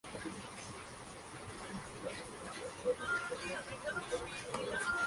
Serrano, de raíces hondureñas y afro-cubanas fue educado como católico.